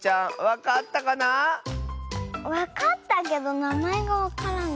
わかったけどなまえがわからない。